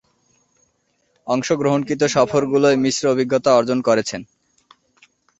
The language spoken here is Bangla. অংশগ্রহণকৃত সফরগুলোয় মিশ্র অভিজ্ঞতা অর্জন করেছেন।